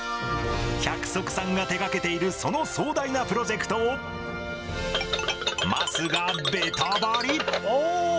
百束さんが手がけているその壮大なプロジェクトを桝がベタバリ！